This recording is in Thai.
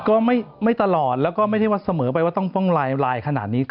ก็ไม่ตลอดไม่ได้เสมอว่าต้องลายขนาดนี้